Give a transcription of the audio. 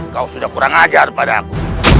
kau sudah kurang ajar pada aku